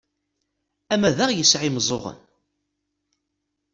Amadaɣ yesɛa imeẓẓuɣen!